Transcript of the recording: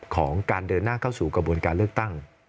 ของการเดินหน้าเข้าสู่กระบวนการเลือกตั้ง